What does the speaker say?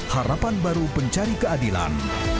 harapan baru pencari keadilan